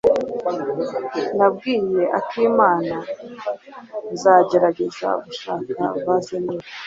Nabwiye Akimana Nzagerageza gushaka vase nini.